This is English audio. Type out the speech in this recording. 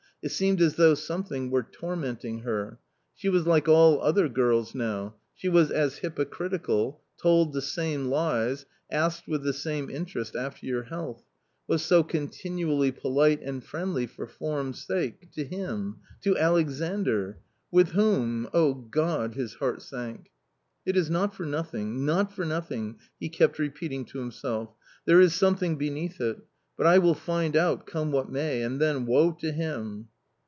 It seemed as though something were tormenting her. She was like all other girls now ; she was as hypocritical, told the same lies, asked with the same in terest after your health ; was so continually polite and friendly for form's sake — to him — to Alexandr ! with whom ? Oh God ! his heart sank. " It is not for nothing, not for nothing," he kept repeating to himself, " there is something beneath it 1 But I will find out, come what may, and then woe to him."